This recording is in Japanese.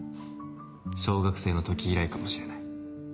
小学生の時以来かもしれない。